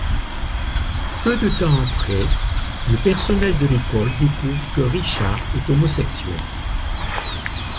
Peu de temps après, le personnel de l'école découvre que Richard est homosexuel.